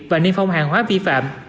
và niên phong hàng hóa vi phạm